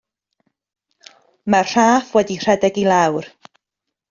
Mae'r rhaff wedi rhedeg i lawr.